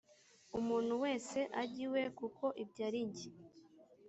umuntu wese ajye iwe kuko ibyo ari jye